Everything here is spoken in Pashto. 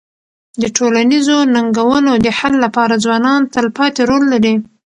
د ټولنیزو ننګونو د حل لپاره ځوانان تلپاتې رول لري.